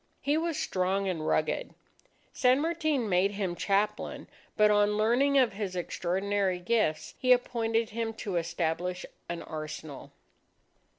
He was strong and rugged. San Martin made him chaplain. But on learning of his extraordinary gifts, he appointed him to establish an arsenal.